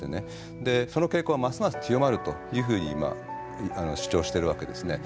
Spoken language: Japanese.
でその傾向はますます強まるというふうに主張してるわけですね。